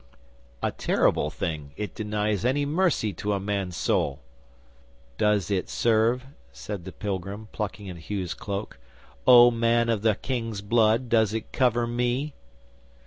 A terrible thing! It denies any mercy to a man's soul!" '"Does it serve?" said the pilgrim, plucking at Hugh's cloak. "Oh, man of the King's blood, does it cover me?"